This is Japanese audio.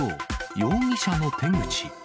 容疑者の手口。